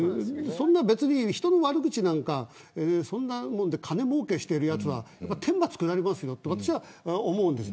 人の悪口なんか、そんなもんで金もうけしているやつは天罰下りますよって思うんです。